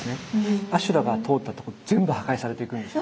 阿修羅が通ったとこ全部破壊されていくんです。